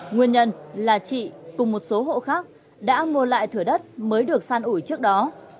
nguyên nhân là chị cùng một số hộ khác đã mua lại thửa đất mới được san ủi trước đó